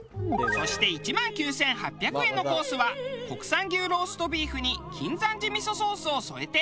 そして１万９８００円のコースは国産牛ローストビーフに金山寺味噌ソースを添えて。